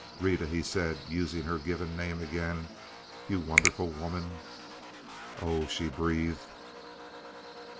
"Rita," he said, using her given name again, "you wonderful woman!" "Oh!" she breathed.